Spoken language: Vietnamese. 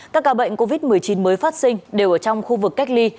các ca bệnh covid một mươi chín mới phát sinh đều ở trong khu vực cách ly